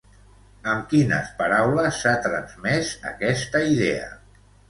Amb quines paraules s'ha transmès aquesta idea?